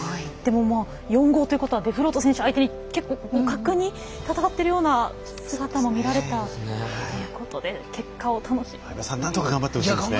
４‐５ということはデフロート選手相手に結構、互角に戦っているような姿も見られたということで結果が楽しみですね。